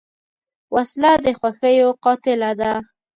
وسله د خوښیو قاتله ده